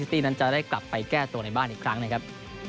ตี้นั้นจะได้กลับไปแก้ตัวในบ้านอีกครั้งนะครับ